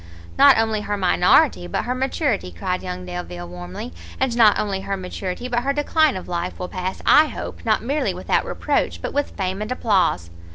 "Not only her minority, but her maturity," cried young Delvile, warmly, "and not only her maturity, but her decline of life will pass, I hope, not merely without reproach, but with fame and applause!"